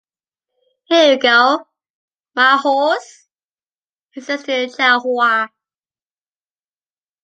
Here you go my horse, he says to Jahoua.